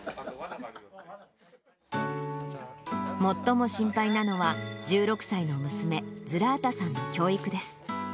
最も心配なのは、１６歳の娘、ズラータさんの教育です。